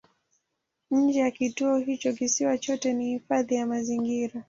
Nje ya kituo hicho kisiwa chote ni hifadhi ya mazingira.